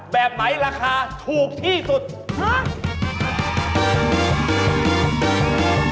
แบบไหนราคาถูกที่สุดฮะ